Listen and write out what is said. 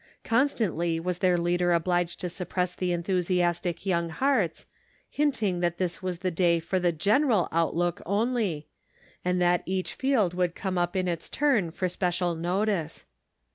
Constantly was their leader obliged to suppress the enthu siastic young hearts, hinting that this was the day for the general outlook only, and that each field would come up in its turn for special notice.